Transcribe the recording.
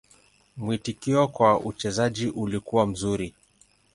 Mwitikio kwa uchezaji ulikuwa mzuri.